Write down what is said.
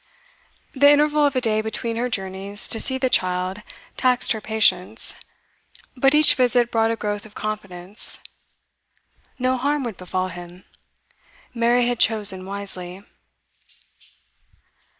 The interval of a day between her journeys to see the child taxed her patience; but each visit brought a growth of confidence. No harm would befall him: Mary had chosen wisely.